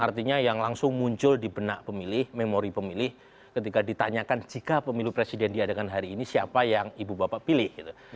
artinya yang langsung muncul di benak pemilih memori pemilih ketika ditanyakan jika pemilu presiden diadakan hari ini siapa yang ibu bapak pilih gitu